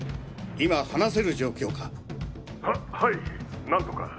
今話せる状況か？ははい何とか。